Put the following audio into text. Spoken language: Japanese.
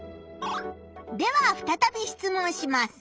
ではふたたび質問します。